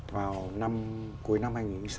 vào cuối năm hai nghìn sáu